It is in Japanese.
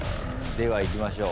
ではいきましょう。